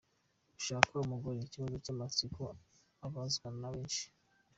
Gushaka umugore: Ikibazo cy’amatsiko abazwa na benshi:.